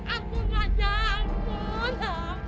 aku tak jangkut